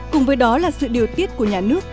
cùng với đó là sự điều tiết của nhà nước